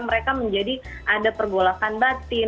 mereka menjadi ada pergolakan batin